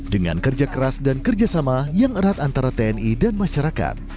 dengan kerja keras dan kerjasama yang erat antara tni dan masyarakat